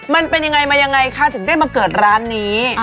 มันเป็นยังไงมายังไงคะถึงได้มาเกิดร้านนี้